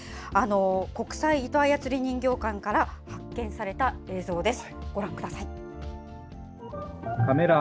国際糸操り人形館から発見された映像です。